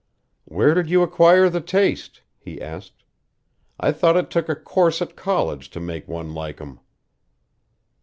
"Where did you acquire the taste?" he asked. "I thought it took a course at college to make one like 'em."